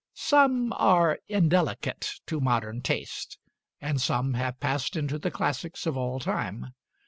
Some are indelicate to modern taste, and some have passed into the classics of all time.